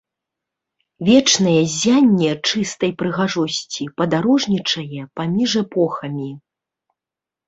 Вечнае ззянне чыстай прыгажосці падарожнічае паміж эпохамі.